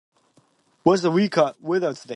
What's the wecat- weather today?